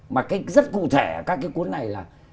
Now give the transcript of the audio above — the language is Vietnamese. mà cái rất cụ thể các cái cuốn này là